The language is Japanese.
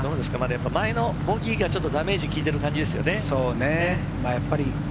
前のボギーがダメージ効いてる感じですね。